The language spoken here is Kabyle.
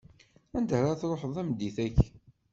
Anda ara tṛuḥeḍ tameddit-aki?